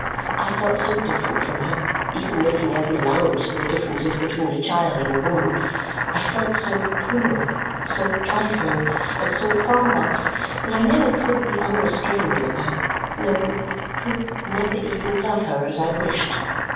I felt so different from her, even making every allowance for the differences between a child and a woman; I felt so poor, so trifling, and so far off that I never could be unrestrained with her no, could never even love her as I wished.